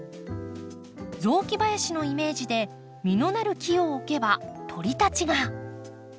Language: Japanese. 雑木林のイメージで実のなる木を置けば鳥たちが。